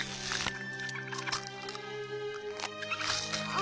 あ。